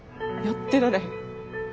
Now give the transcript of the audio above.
やってられへん。